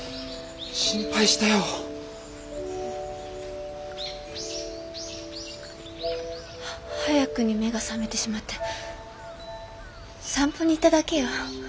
心配したよ。早くに目が覚めてしまって散歩に行っただけよ。